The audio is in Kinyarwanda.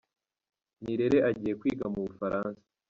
Nirere agiye kwiga mu Bufaransa